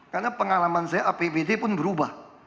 karena pengalaman saya apbd pun berubah